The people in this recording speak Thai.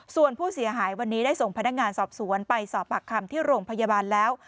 ส่วนผู้เสียหายวันนี้ได้ส่งพนักงานสอบสวนไปสอบปากคำที่โรงพยาบาลแล้ว